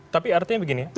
tapi artinya begini